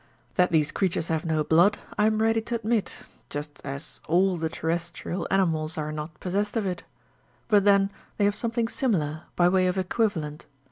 That these creatures have no blood8 I am ready to admit, just as all the terrestrial animals are not possessed of it ; but then, they have something similar, by way of equivalent.